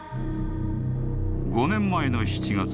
［５年前の７月］